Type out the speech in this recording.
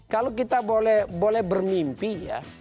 kalau kita boleh bermimpi ya